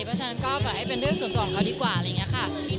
เพราะฉะนั้นก็ปล่อยให้เป็นเรื่องส่วนตัวของเขาดีกว่าอะไรอย่างนี้ค่ะ